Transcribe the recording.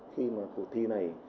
khi mà cuộc thi này